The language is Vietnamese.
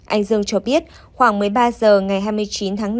anh dương cho biết khoảng một mươi ba h ngày hai mươi chín tháng năm